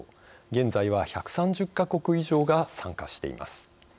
現在は１３０か国以上が参加しています。